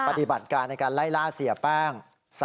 ปฏิบัติการในการไล่ล่าเสียแป้ง